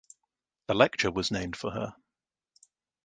A lecture was named for her.